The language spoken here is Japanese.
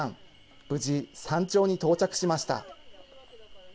無事、山頂に到着しました。